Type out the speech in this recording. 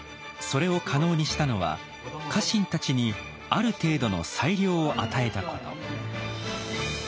それを可能にしたのは家臣たちにある程度の裁量を与えたこと。